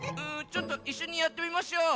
ちょっといっしょにやってみましょう。